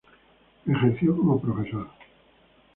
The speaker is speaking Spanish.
Ejerció como profesor.